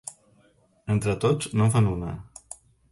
Entre tots no en fan una.